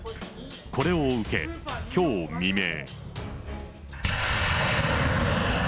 これを受け、きょう未明。